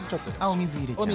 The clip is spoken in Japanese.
あお水入れちゃうの？